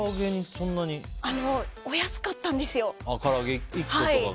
お安かったんですよ。